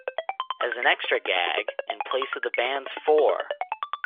As an extra gag, in place of the band's Fore!